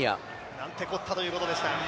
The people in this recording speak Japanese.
なんてこったということでした。